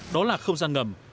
đó là không gian ngầm